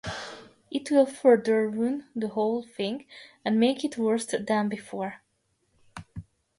It will further ruin the whole thing and make it worst then before.